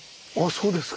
そうですか。